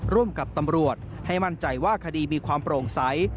ร่วมกับตำรวจให้มั่นใจว่าคดีมีความโปร่งใส